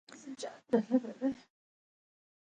اسفالټ هغه قیر دی چې له منرال سره مخلوط وي